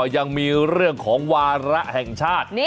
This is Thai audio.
ยังมีเรื่องของวาระแห่งชาติ